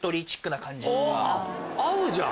合うじゃん。